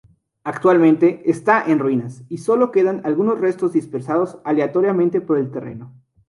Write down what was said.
Actualmente está en ruinas y solo quedan algunos restos dispersados aleatoriamente por el terreno.